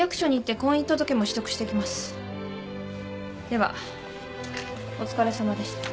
ではお疲れさまでした。